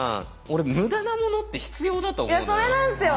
俺無駄なものって必要だと思うんだよ。